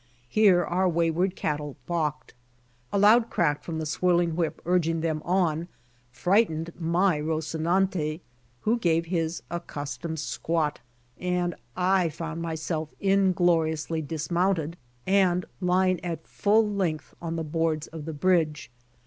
Here .our wayward cattle balked. A loud crack from the swirling whip urging them on frightened my "Rosinante," who gave his accustomed squat, and I found myself ingloriously dismounted and lying at full length on the boards of the bridge.